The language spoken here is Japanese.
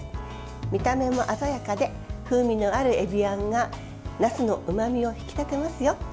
見た目も鮮やかで風味のあるえびあんがなすのうまみを引き立てますよ。